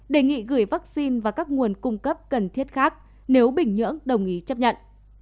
đề nghị gửi vaccine và các nguồn cung cấp cần thiết khác nếu bình nhưỡng đồng ý chấp nhận